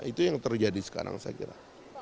itu yang terjadi sekarang saya kira